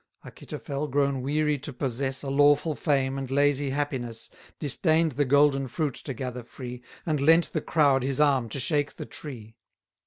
Achitophel, grown weary to possess 200 A lawful fame, and lazy happiness, Disdain'd the golden fruit to gather free, And lent the crowd his arm to shake the tree.